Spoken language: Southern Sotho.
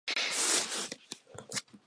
Thabo ha a emela ntatemoholo hobaneng?